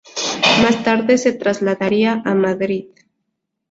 Más tarde se trasladaría a Madrid.